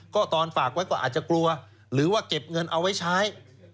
ก็ตอนฝากไว้ก็อาจจะกลัวหรือว่าเก็บเงินเอาไว้ใช้